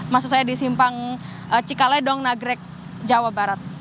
maksud saya di simpang cikaledong nagrek jawa barat